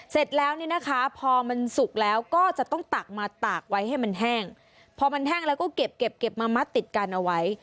เสร็จแล้วเนี่ยนะคะพอมันสุกแล้วก็จะต้องตักมาตากไว้ให้มันแห้งพอมันแห้งแล้วก็เก็บเก็บมามัดติดกันเอาไว้